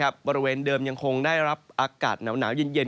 บริเวณเดิมยังคงได้รับอากาศหนาวเย็น